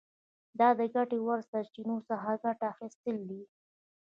دا د ګټې وړ سرچینو څخه ګټه اخیستل دي.